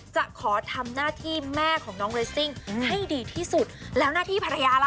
จะขอทำหน้าที่แม่ของน้องเรสซิ่งให้ดีที่สุดแล้วหน้าที่ภรรยาล่ะ